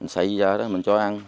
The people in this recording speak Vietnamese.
xây ra đó mình cho ăn